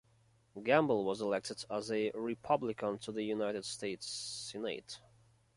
Gamble was elected as a Republican to the United States Senate.